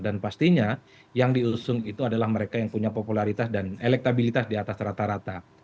dan pastinya yang diusung itu adalah mereka yang punya popularitas dan elektabilitas di atas rata rata